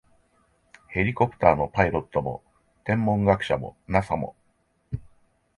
ヘリコプターのパイロットも、天文学者も、ＮＡＳＡ も、